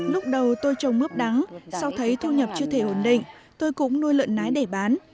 lúc đầu tôi trồng mướp đắng sau thấy thu nhập chưa thể ổn định tôi cũng nuôi lợn nái để bán